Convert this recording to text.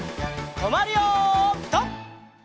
とまるよピタ！